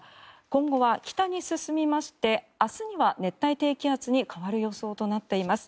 今後は北に進みまして明日には熱帯低気圧に変わる予想となっています。